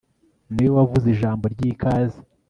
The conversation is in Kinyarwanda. niwe wavuze Ijambo ryikaze